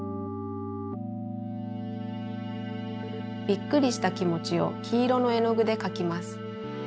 びっくりしたきもちをきいろのえのぐでかきます。